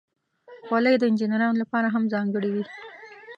خولۍ د انجینرانو لپاره هم ځانګړې وي.